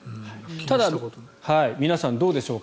ただ、皆さんどうでしょうか。